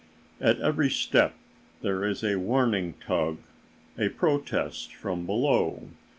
At every step there is a warning tug, a protest from below.